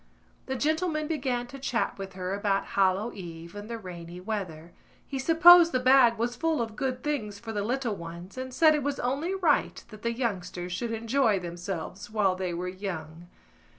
The gentleman began to chat with her about Hallow Eve and the rainy weather. He supposed the bag was full of good things for the little ones and said it was only right that the youngsters should enjoy themselves while they were young.